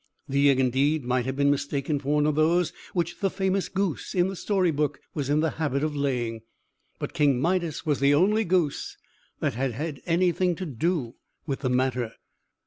The egg, indeed, might have been mistaken for one of those which the famous goose, in the story book, was in the habit of laying; but King Midas was the only goose that had had anything to do with the matter.